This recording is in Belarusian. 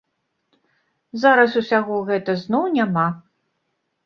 Зараз усяго гэта зноў няма.